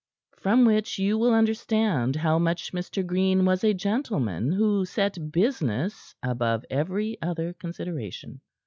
From which you will understand how much Mr. Green was a gentleman who set business above every other consideration.